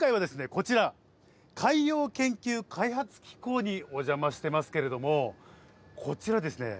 こちら海洋研究開発機構にお邪魔してますけれどもこちらですね